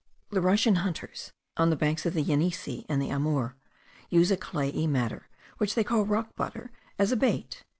The Russian hunters, on the banks of the Yenisei and the Amour, use a clayey matter which they call rock butter, as a bait.